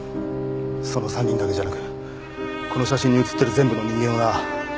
その３人だけじゃなくこの写真に写ってる全部の人間をな。